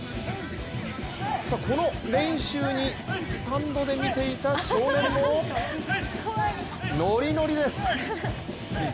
この練習に、スタンドで見ていた少年もノリノリです。